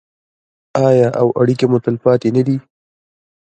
آیا او اړیکې مو تلپاتې نه دي؟